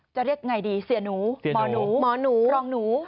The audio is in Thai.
จะเรียกอย่างไรดีเสียหนูหมอนูรองหนู